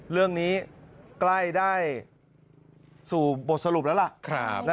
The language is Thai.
เรื่องนี้ใกล้ได้สู่บทสรุปแล้วล่ะ